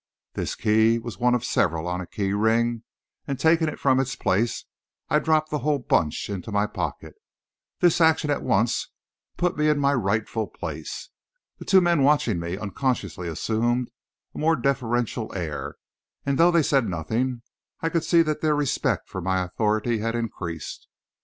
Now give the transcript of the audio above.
This key was one of several on a key ring, and, taking it from its place, I dropped the whole bunch in my pocket. This action at once put me in my rightful place. The two men watching me unconsciously assumed a more deferential air, and, though they said nothing, I could see that their respect for my authority had increased.